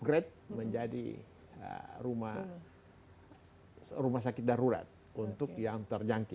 grade menjadi rumah sakit darurat untuk yang terjangkit